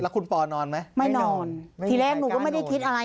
คุณปอนอนไหมไม่นอนทีแรกหนูก็ไม่ได้คิดอะไร